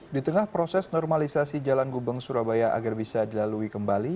di tengah proses normalisasi jalan gubeng surabaya agar bisa dilalui kembali